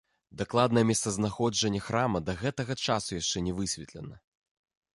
Дакладнае месцазнаходжанне храма да гэтага часу яшчэ не высветлена.